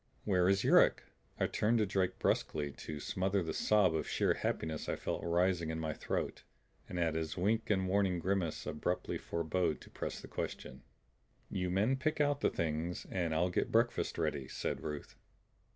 "Where is Yuruk?" I turned to Drake bruskly to smother the sob of sheer happiness I felt rising in my throat; and at his wink and warning grimace abruptly forebore to press the question. "You men pick out the things and I'll get breakfast ready," said Ruth.